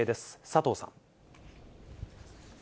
佐藤さん。